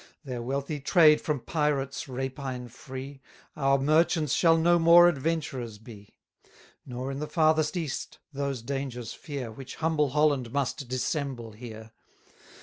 Their wealthy trade from pirates' rapine free, Our merchants shall no more adventurers be: Nor in the farthest East those dangers fear, Which humble Holland must dissemble here.